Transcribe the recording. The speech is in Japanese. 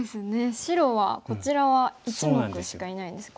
白はこちらは１目しかいないんです。